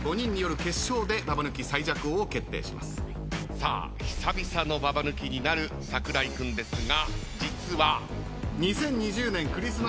さあ久々のババ抜きになる櫻井君ですが実は。